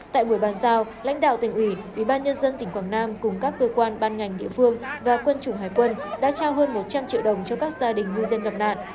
tại buổi bàn giao lãnh đạo tỉnh ủy ubnd tỉnh quảng nam cùng các cơ quan ban ngành địa phương và quân chủng hải quân đã trao hơn một trăm linh triệu đồng cho các gia đình ngư dân gặp nạn